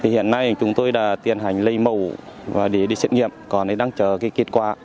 hiện nay chúng tôi đã tiến hành lấy mẫu và để đi xét nghiệm còn đang chờ kết quả